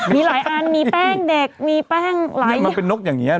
มีหลายอันมีแป้งเด็กมีแป้งหลายชิ้นมันเป็นนกอย่างนี้